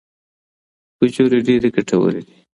کجورې ډیرې ګټورې دي.